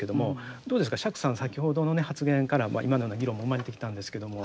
どうですか釈さん先ほどの発言から今のような議論も生まれてきたんですけども。